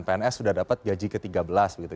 pns sudah dapat gaji ke tiga belas begitu